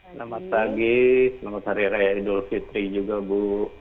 selamat pagi selamat hari raya idul fitri juga bu